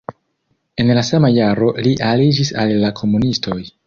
En la sama jaro li aliĝis al la komunistoj.